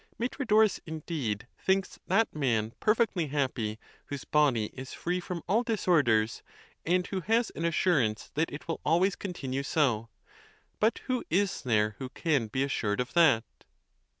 Metrodorus, indeed, thinks that man perfectly happy whose body is free from all disorders, and who has an assurance that it will always continue so; but who is there who can be assured of that?